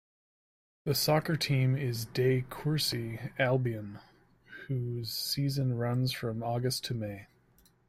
The soccer team is De Courcey Albion whose season runs from August to May.